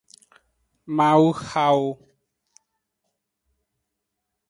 Mawuhawo.